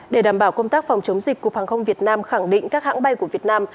để đảm bảo công tác phòng chống dịch cục hàng không việt nam khẳng định các hãng bay của việt nam